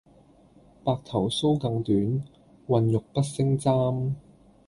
白頭搔更短，渾欲不勝簪。